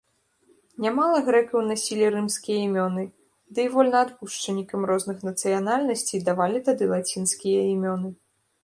Нямала грэкаў насілі рымскія імёны, дый вольнаадпушчанікам розных нацыянальнасцей давалі тады лацінскія імёны.